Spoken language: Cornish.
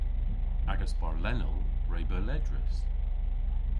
Agas barrlennell re beu ledrys.